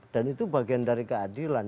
dan itu bagian dari keadilan